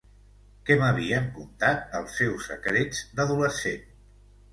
Que m'havia contat els seus secrets d'adolescent.